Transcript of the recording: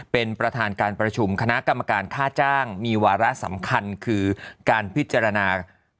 เป็นประธานการประชุมคณะกรรมการค่าจ้างมีวาระสำคัญคือการพิจารณา